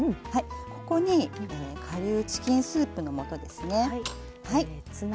ここに顆粒チキンスープの素ですね。